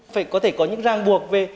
phải có thể có những ràng buộc về